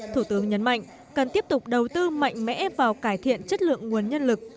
thủ tướng nhấn mạnh cần tiếp tục đầu tư mạnh mẽ vào cải thiện chất lượng nguồn nhân lực